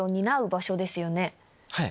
はい。